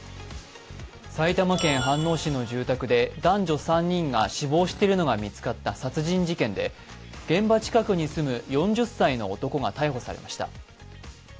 埼玉県飯能市の住宅で男女３人が死亡しているのが見つかった殺人事件で現場近くに住む４０歳の男が逮捕されました。